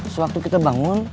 sewaktu kita bangun